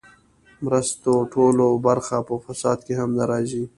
مرستو ټوله برخه په فساد کې هم نه ځي.